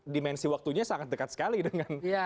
dimensi waktunya sangat dekat sekali dengan